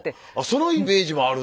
そのイメージもあるね！